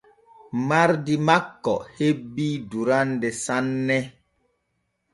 Mardi makko hebii durande sanne.